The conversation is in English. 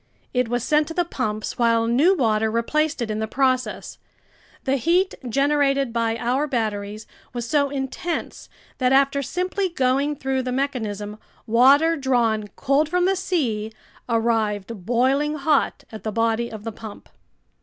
It was sent to the pumps while new water replaced it in the process. The heat generated by our batteries was so intense that after simply going through the mechanism, water drawn cold from the sea arrived boiling hot at the body of the pump.